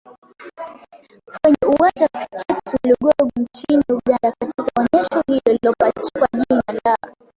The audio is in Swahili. kwenye Uwanja wa Kriketi wa Lugogo nchini Uganda Katika onesho hilo lililopachikwa jina la